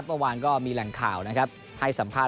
เมื่อวานก็มีแหล่งข่าวให้สัมภาษณ์